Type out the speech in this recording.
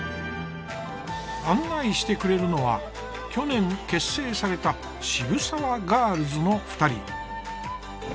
案内してくれるのは去年結成されたしぶさわガールズの２人。